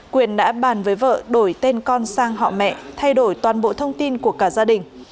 quyền đã bàn với vợ đổi tên con sang họ mẹ thay đổi toàn bộ thông tin của cả gia đình